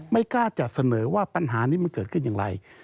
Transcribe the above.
ไม่กล้าจะเสนอว่าปัญหานี้มันเกิดขึ้นอย่างไร